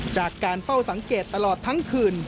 จากการเฝ้าสังเกตตลอดทั้งคืน